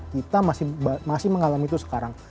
kita masih mengalami itu sekarang